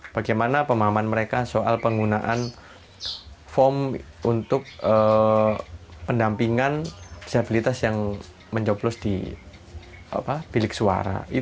bagaimana pemahaman mereka soal penggunaan form untuk pendampingan disabilitas yang mencoblos di bilik suara